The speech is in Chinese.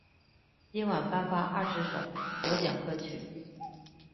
全晚颁发二十首得奖歌曲。